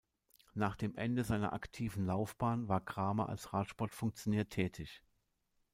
Nach dem Ende seiner aktiven Laufbahn war Kramer als Radsport-Funktionär tätig.